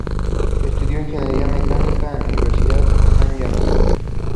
Estudió ingeniería mecánica en la Universidad Hanyang.